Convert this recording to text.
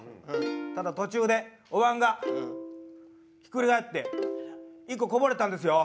ただ、途中でおわんがひっくり返って１個こぼれたんですよ！